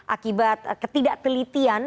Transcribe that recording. akibat ketidak telitian